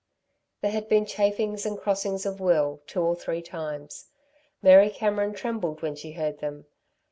There had been chafings and crossings of will, two or three times. Mary Cameron trembled when she heard them.